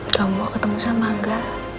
kamu mau ketemu sama angga